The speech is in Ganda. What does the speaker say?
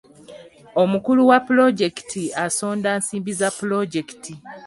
Omukulu wa pulojekiti asonda nsimbi za pulojekiti.